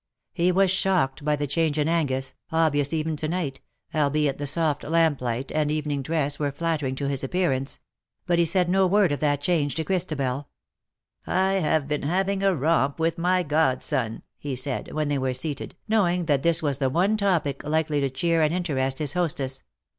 He was shocked by the change in Angus_, obvious even to night, albeit the soft lamplight and evening dress were flattering to his appearance ; but he said no word of that change to Christabel. " I have been having a romp with my godson/^ he said, when they were seated, knowing that this was the one topic likely to cheer and interest his hostess.